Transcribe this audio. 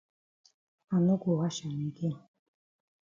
I no go wash am again.